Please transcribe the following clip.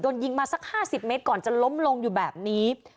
ยิงมาสัก๕๐เมตรก่อนจะล้มลงอยู่แบบนี้